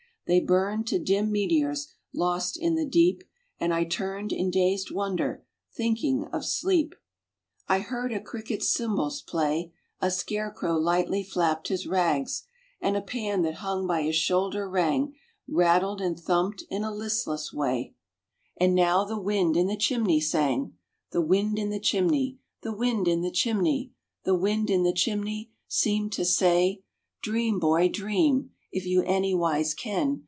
They burned to dim meteors, lost in the deep, And I turned in dazed wonder, thinking of sleep. I heard a cricket's cymbals play, A scarecrow lightly flapped his rags, And a pan that hung by his shoulder rang, Rattled and thumped in a listless way, RAINBOW GOLD And now the wind in the chimney sang, The wind hi the chimney, The wind in the chimney, The wind in the chimney, Seemed to say: "Dream, boy, dream, If you anywise can.